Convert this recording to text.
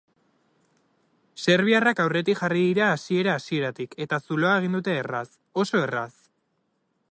Serbiarrak aurretik jarri dira hasiera-hasieratik eta zuloa egin dute erraz, oso erraz.